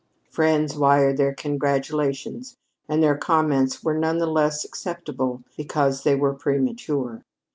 Friends wired their congratulations, and their comments were none the less acceptable because they were premature.